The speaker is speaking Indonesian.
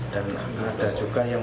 dan ada juga yang